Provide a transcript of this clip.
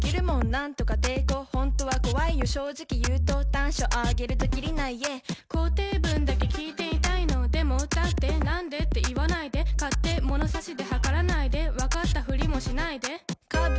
なんとか抵抗ほんとは怖いよ正直いうと短所あげるとキリ無いｙｅａｈ肯定文だけ聞いていたいのでも、だって何で？って言わないで勝手ものさしで計らないでわかったふりもしないでカーブ